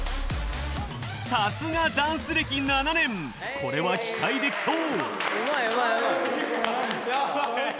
さすがダンス歴７年これは期待できそう。